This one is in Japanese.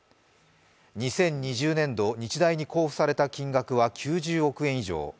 ２０２０年度、日大に交付された金額は９０億円以上。